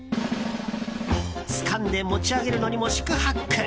つかんで持ち上げるのにも四苦八苦。